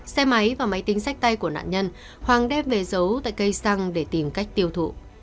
xe máy và máy tính sách tay của nạn nhân hoàng đem về giấu tại cây xăng để tìm cách tiêu thụ